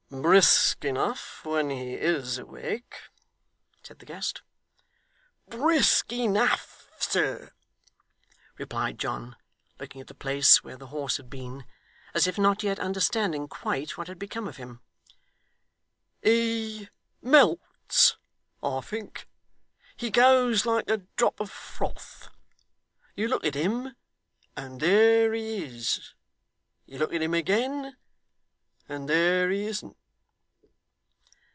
'Brisk enough when he is awake,' said the guest. 'Brisk enough, sir!' replied John, looking at the place where the horse had been, as if not yet understanding quite, what had become of him. 'He melts, I think. He goes like a drop of froth. You look at him, and there he is. You look at him again, and there he isn't.